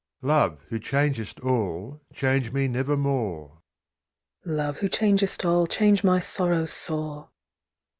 Love, who changest all, change me nevermore! "Love, who changest all, change my sorrow sore!"